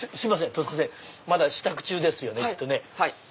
突然まだ支度中ですよねきっとね。